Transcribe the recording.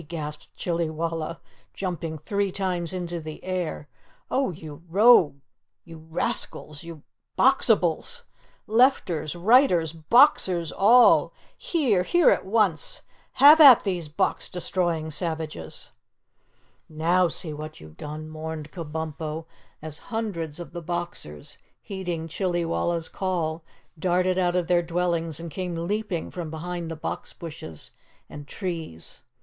gasped Chillywalla, jumping three times into the air. "Oh, you rogues! You rascals! You YOU BOXIBALS! Lefters! Righters! Boxers all! Here! Here at once! Have at these Box destroying savages!" "Now see what you've done," mourned Kabumpo, as hundreds of the Boxers, heeding Chillywalla's call, darted out of their dwellings and came leaping from behind the box bushes and trees.